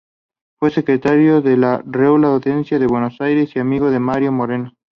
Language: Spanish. Fue secretario de la Real Audiencia de Buenos Aires y amigo de Mariano Moreno.